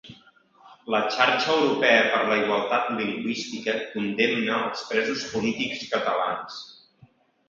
La Xarxa Europea per la Igualtat Lingüística condemna els presos polítics catalans